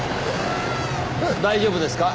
大丈夫ですか？